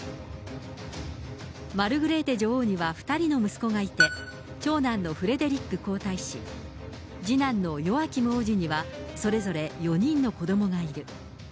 マルグレーテ女王には２人の息子がいて、長男のフレデリック皇太子、次男のヨアキム王子にはそれぞれ４人の子どもがいる。